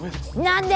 何で！